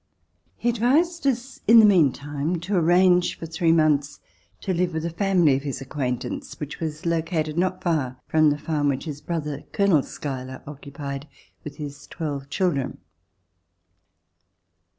He advised us in the meantime to arrange for three months to hve with a family of his acquaintance which was located not far from the farm which his brother, Colonel Schuyler, occupied with his twelve children.